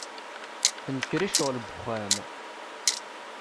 Tenker i ccɣel n wexxam.